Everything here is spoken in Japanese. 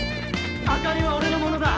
あかりは俺のものだ！